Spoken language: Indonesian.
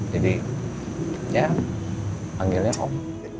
jadi ya panggilnya om